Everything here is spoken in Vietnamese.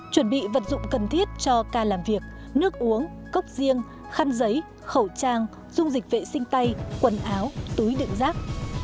chuẩn bị vật dụng cần thiết cho ca làm việc nước uống cốc riêng khăn giấy khẩu trang dung dịch vệ sinh tay quần áo túi đựng rác